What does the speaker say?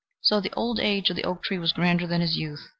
So the old age of the oak tree was grander than his youth.